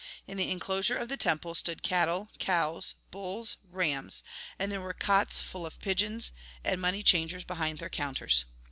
In the en closure of the temple stood cattle, cows, bulls, rams ; and there were cots full of pigeons, and money changers behind their counters.